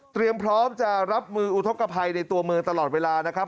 พร้อมจะรับมืออุทธกภัยในตัวเมืองตลอดเวลานะครับ